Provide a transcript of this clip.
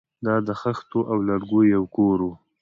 دا د خښتو او لرګیو یو کور و